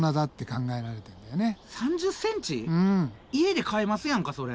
家で飼えますやんかそれ。